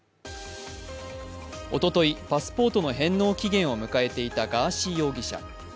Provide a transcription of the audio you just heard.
おととい、パスポートの返納期限を迎えていたガーシー容疑者。